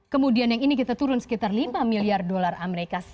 kemudian yang ini kita turun sekitar lima miliar dolar amerika